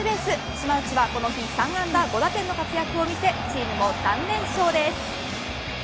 島内は、この日３安打５打点の活躍を見せチームも３連勝です。